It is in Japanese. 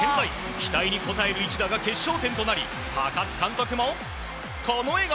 期待に応える一打が決勝点となり、高津監督もこの笑顔。